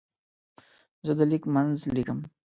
زه د لیک منځ لیکم.